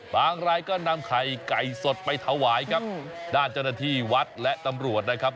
รายก็นำไข่ไก่สดไปถวายครับด้านเจ้าหน้าที่วัดและตำรวจนะครับ